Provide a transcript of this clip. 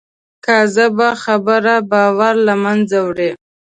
کاذبه خبره باور له منځه وړي